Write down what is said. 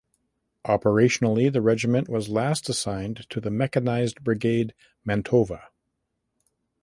Operationally the regiment was last assigned to the Mechanized Brigade "Mantova".